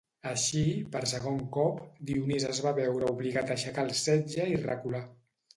Així, per segon cop, Dionís es va veure obligat a aixecar el setge i recular.